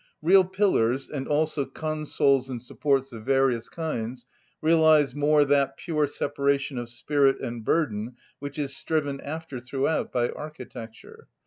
Real pillars, and also consoles and supports of various kinds, realise more that pure separation of support and burden which is striven after throughout by architecture.